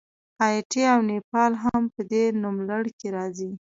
هایټي او نیپال هم په دې نوملړ کې راځي.